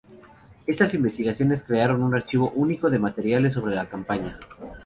Estas investigaciones crearon un archivo único de materiales sobre la campaña.